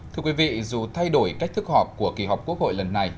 thưa quý vị dù thay đổi cách thức họp của kỳ họp quốc hội lần này